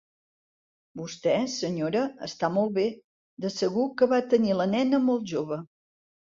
Vosté, senyora, està molt bé, de segur que va tenir la nena molt jove!